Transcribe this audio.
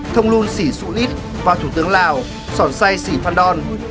thông luân xỉ sũ ít và thủ tướng lào sòn say xỉ phan đòn